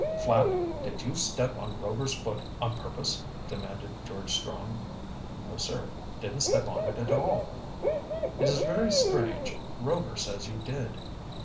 "Flapp, did you step on Rover's foot on purpose?" demanded George Strong. "No, sir didn't step on it at all." "It is very strange. Rover says you did."